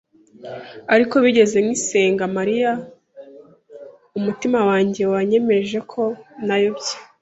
Ariko bigeze nkisenga Mariya, umutima wanjye wanyemeje ko nayobye.